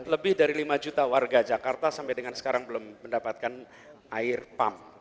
lebih dari lima juta warga jakarta sampai dengan sekarang belum mendapatkan air pump